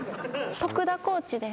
徳田コーチです。